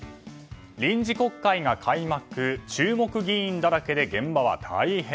臨時国会が開幕注目議員だらけで現場は大変。